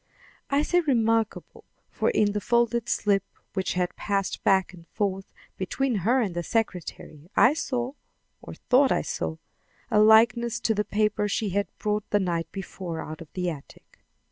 I say remarkable; for in the folded slip which had passed back and forth between her and the secretary, I saw, or thought I saw, a likeness to the paper she had brought the night before out of the attic.